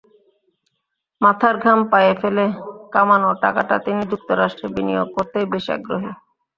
মাথার ঘাম পায়ে ফেলে কামানো টাকাটা তিনি যুক্তরাষ্ট্রে বিনিয়োগ করতেই বেশি আগ্রহী।